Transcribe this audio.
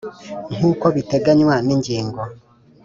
nk’uko biteganywa ni ngingo